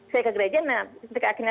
saya ke gereja nah ketika akhirnya